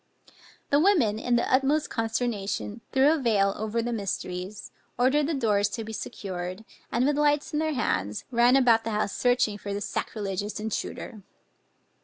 The women in the utmost consternation, threw a veil ever the mysteries, ordered the doors to be secured, and with lights in their hands, ran about the house searching for the sacrilegious intruder.